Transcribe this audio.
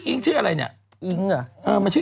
คุณหมอโดนกระช่าคุณหมอโดนกระช่า